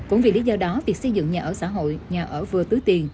cũng vì lý do đó việc xây dựng nhà ở xã hội nhà ở vừa tứ tiền